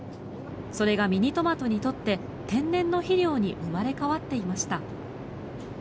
それがミニトマトにとって天然の肥料に生まれ変わっていました。